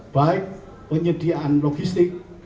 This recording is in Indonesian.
baik penyediaan logistik